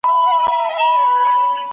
تر هغې چي لمر راوخوت ما کار بشپړ کړی و.